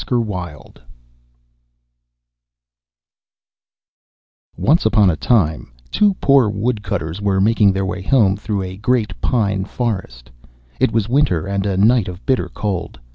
ASQUITH] ONCE upon a time two poor Woodcutters were making their way home through a great pine forest. It was winter, and a night of bitter cold.